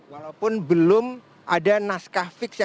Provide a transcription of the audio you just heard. walaupun belum ada naskah fix